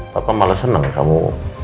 papa malah seneng kamu